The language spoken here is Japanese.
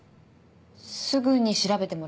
すぐに調べてもらいます。